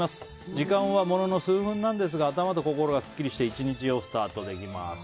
時間はものの数分なんですが頭と心がスッキリして１日をスタートできます。